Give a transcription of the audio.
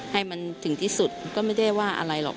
ให้มันถึงที่สุดก็ไม่ได้ว่าอะไรหรอก